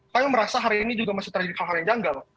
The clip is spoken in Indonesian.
kami merasa hari ini juga masih terjadi hal hal yang janggal